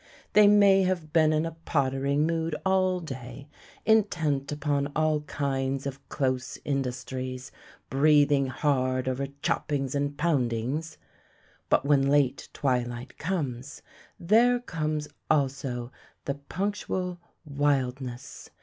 They may have been in a pottering mood all day, intent upon all kinds of close industries, breathing hard over choppings and poundings. But when late twilight comes, there comes also the punctual wildness.